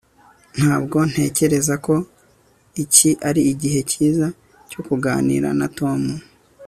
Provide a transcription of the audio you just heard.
ntabwo ntekereza ko iki ari igihe cyiza cyo kuganira na tom